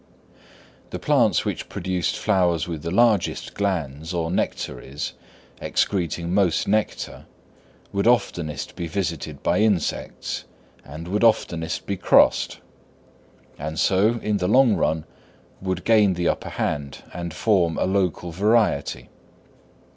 The plants which produced flowers with the largest glands or nectaries, excreting most nectar, would oftenest be visited by insects, and would oftenest be crossed; and so in the long run would gain the upper hand and form a local variety.